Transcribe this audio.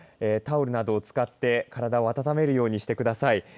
タオルなどを使って体を温めるようにしてください。